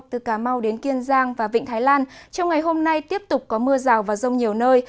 từ cà mau đến kiên giang và vịnh thái lan trong ngày hôm nay tiếp tục có mưa rào và rông nhiều nơi